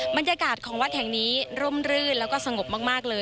บรรยากาศของวัดแห่งนี้ร่มรื่นแล้วก็สงบมากเลย